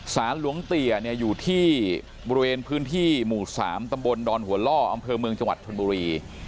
สารหลวงเตี๋ยเนี่ยอยู่ที่บริเวณพื้นที่หมู่๓ตำบลดอนหัวล่ออำเภอเมืองจังหวัดชนบุรี